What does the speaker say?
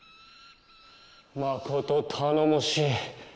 まこと頼もしい。